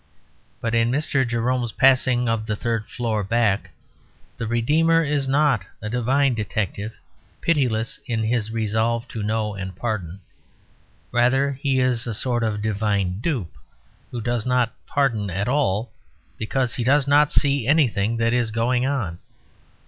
But in Mr. Jerome's Passing of the Third Floor Back the redeemer is not a divine detective, pitiless in his resolve to know and pardon. Rather he is a sort of divine dupe, who does not pardon at all, because he does not see anything that is going on.